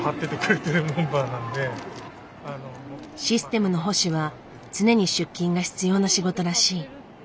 システムの保守は常に出勤が必要な仕事らしい。